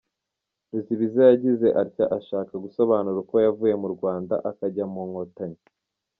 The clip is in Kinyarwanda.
Ruzibiza yagize atya ashaka gusobanura uko yavuye mu Rwanda akajya mu nkotanyi.